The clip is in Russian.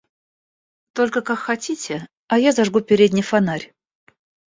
Только, как хотите, а я зажгу передний фонарь.